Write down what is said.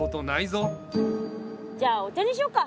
じゃあお茶にしよっか？